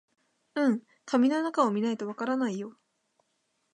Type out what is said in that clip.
うん、紙の中を見ないとわからないよ